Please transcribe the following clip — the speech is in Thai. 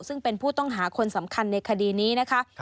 ซึ่งเป็นผู้ต้องหาคนสำคัญในคดีนี้นะคะ